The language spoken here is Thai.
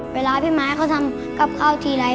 เวลาพี่หม้าทำกับข้าวทีนาย